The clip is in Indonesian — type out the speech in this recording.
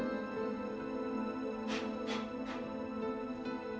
kini kan sampai pukul lima sangat senggera mas